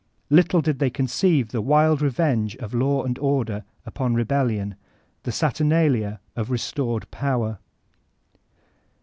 Little did they conceive the wild revenge of Law and Order upon Rebellion, the saturnalia of restored Power.